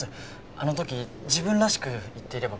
あの時自分らしく言っていれば。